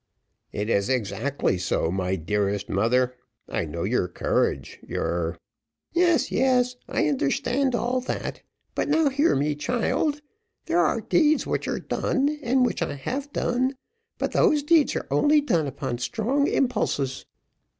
"It is exactly so, my dearest mother. I know your courage your " "Yes, yes, I understand all that; but, now hear me, child. There are deeds which are done, and which I have done, but those deeds are only done upon strong impulses.